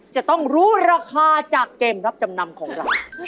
จะต้องรู้ราคาจากเกมรับจำนำของเรา